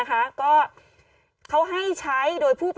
กล้องกว้างอย่างเดียว